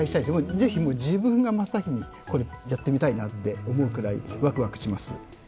ぜひ自分が真っ先にやってみたいなと思うくらいワクワクします。